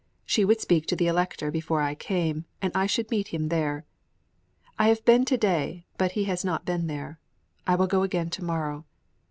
She would speak to the Elector before I came, and I should meet him there. I have been to day, but he had not been there. I will go again to morrow.